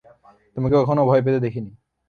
তোমাকে কখনও ভয় পেতে দেখিনি।